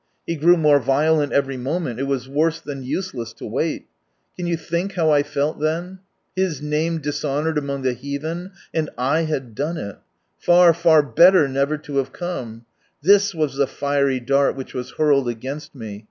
He grew more violent every moment; it was worse than useless to wait Can you think how I felt then ? His Name dishonoured among the heathen, and / had done it. Far, far better never to have come t This was the fiery dart which was hurled against me.